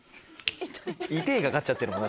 「痛ぇ」かかっちゃってるもん。